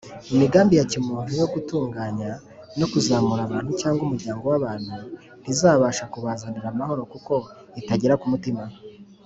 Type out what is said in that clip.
imigambi ya kimuntu yo gutunganya no kuzahura abantu cyangwa umuryango w’abantu ntizabasha kubazanira amahoro kuko itagera ku mutima